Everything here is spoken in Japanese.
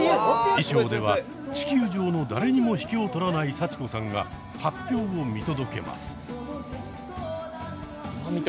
衣装では地球上の誰にも引けを取らない幸子さんが発表を見届けます。